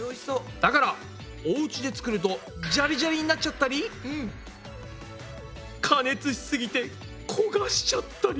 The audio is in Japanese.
だからおうちで作るとジャリジャリになっちゃったり加熱しすぎて焦がしちゃったり。